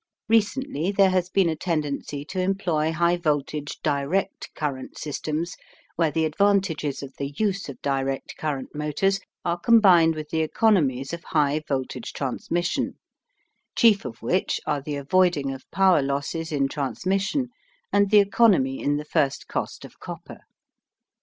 Recently there has been a tendency to employ high voltage direct current systems where the advantages of the use of direct current motors are combined with the economies of high voltage transmission, chief of which are the avoiding of power losses in transmission and the economy in the first cost of copper.